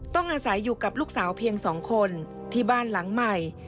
ต้องอาศัยอยู่กับลูกสาวเพียง๒คนที่บ้านหลังใหม่